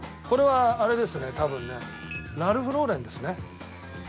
これはあれですね多分ねラルフローレンですね。